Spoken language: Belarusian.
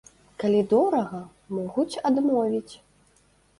Калі дорага, могуць адмовіць.